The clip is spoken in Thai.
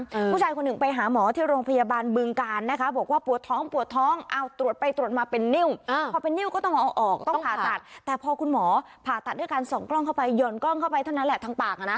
ผู้ชายคนหนึ่งไปหาหมอที่โรงพยาบาลบึงการนะคะบอกว่าปวดท้องปวดท้องเอาตรวจไปตรวจมาเป็นนิ้วอ่าพอเป็นนิ้วก็ต้องเอาออกต้องผ่าตัดแต่พอคุณหมอผ่าตัดด้วยการส่องกล้องเข้าไปห่อนกล้องเข้าไปเท่านั้นแหละทางปากอ่ะนะ